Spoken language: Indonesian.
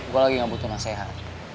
gue lagi gak butuh nasihat